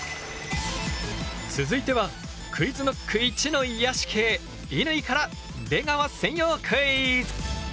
続いてはＱｕｉｚＫｎｏｃｋいちの癒やし系乾から出川専用クイズ！